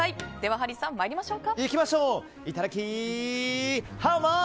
ハリーさん、参りましょうか。